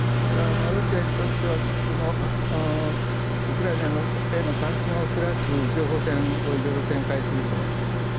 ロシアにとってはウクライナへの関心をそらす情報戦をいろいろ展開すると思いますね。